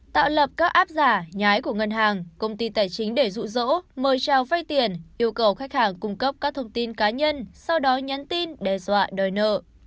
tạo lập các app giả nhái của ngân hàng công ty tài chính để rụ rỗ mời trao vay tiền yêu cầu khách hàng cung cấp các thông tin cá nhân sau đó nhắn tin đe dọa đòi nợ